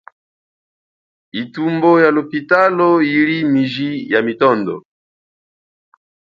Ithumbo ya lophitalo, yili miji ya mitondo.